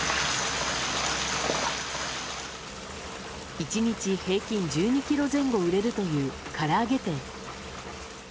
１日平均１２ｋｇ前後売れるというから揚げ店。